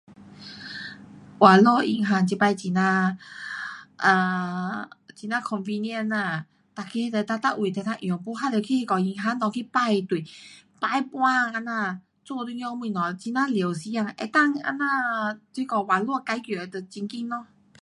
网络银行这次很呀 um 很呀 convenient 呐，每个都能够，每位都能够用，没还得去那个银行内去排队，排半天这样，做一点东西，很呐花时间，能够这样那个网络解决的就很快咯。